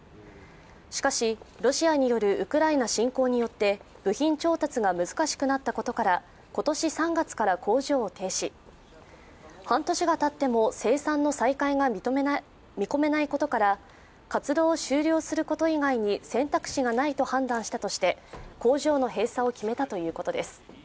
しかし、ロシアによるウクライナ侵攻によって部品調達が難しくなったことから今年３月から工場を停止、半年がたっても生産の再開が見込めないことから活動を終了すること以外に選択肢がないと判断したとして工場の閉鎖を決めたということです。